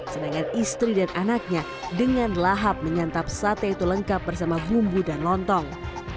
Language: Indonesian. sedangkan istri dan anaknya dengan lahap menyantap sate itu lengkap bersama bumbu dan lontong